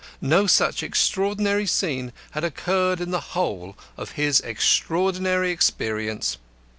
No such extraordinary scene had occurred in the whole of his extraordinary experience.